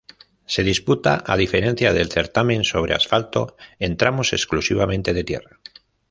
Se disputa a diferencia del certamen sobre asfalto, en tramos exclusivamente de tierra.